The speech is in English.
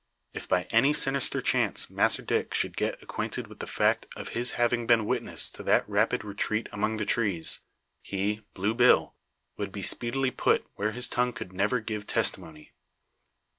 If by any sinister chance Massr Dick should get acquainted with the fact of his having been witness to that rapid retreat among the trees, he, Blue Bill, would be speedily put where his tongue could never give testimony.